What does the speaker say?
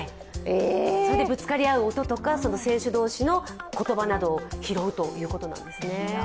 それでぶつかり合う音とか選手同士の言葉などを拾うということなんですね。